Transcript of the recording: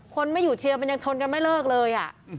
คนไม่อยู่เชียร์มันยังชนกันไม่เลิกเลย